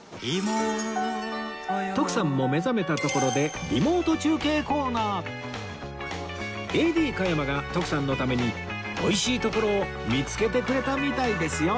徳さんも目覚めたところでＡＤ 加山が徳さんのために美味しいところを見つけてくれたみたいですよ